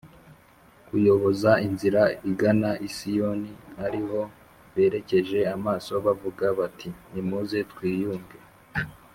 kuyoboza inzira igana i Siyoni ari ho berekeje amaso bavuga bati nimuze twiyunge